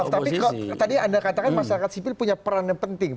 tapi tadi anda katakan masyarakat sipil punya peran yang penting